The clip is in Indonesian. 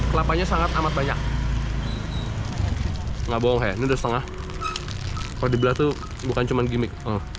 telapannya sangat amat banyak enggak bohong ya sudah setengah kalo dibelah itu bukan cuman gimik